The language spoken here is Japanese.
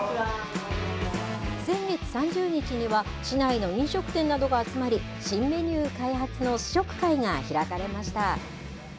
先月３０日には、市内の飲食店などが集まり、新メニュー開発の試食会が開かれました。